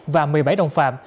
và một mươi bảy đồng phạm